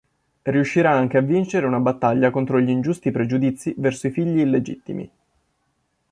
Riuscirà anche a vincere una battaglia contro gli ingiusti pregiudizi verso i figli illegittimi.